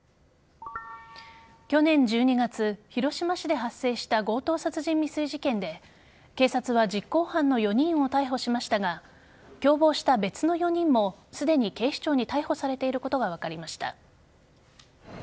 去年１２月広島市で発生した強盗殺人未遂事件で警察は実行犯の４人を逮捕しましたが共謀した別の４人もすでに警視庁に逮捕されていることが分かりました。